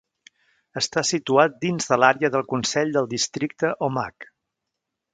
Està situat dins de l"àrea del consell del districte Omagh.